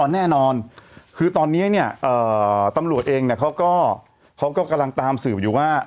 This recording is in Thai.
แน่นอนคือตอนนี้เนี่ยตำรวจเองเนี่ยเขาก็เขาก็กำลังตามสืบอยู่ว่า